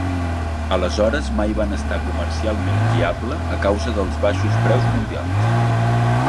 Aleshores mai van estar comercialment viable a causa dels baixos preus mundials.